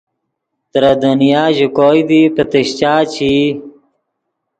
تریم دنیا ژے کوئے دی پتیشچا چے ای